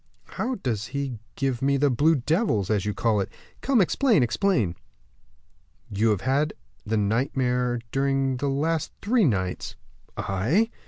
"How does he give me the blue devils, as you call it? Come, explain, explain." "You have had the nightmare during the last three nights." "I?"